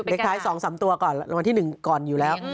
เลขท้าย๒๓ตัวก่อนรางวัลที่๑ก่อนอยู่แล้ว